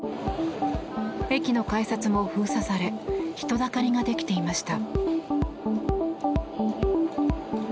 駅の改札も封鎖され人だかりができていました。